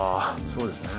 そうですね。